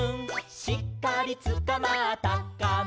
「しっかりつかまったかな」